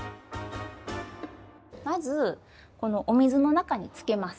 まずこのお水の中につけます。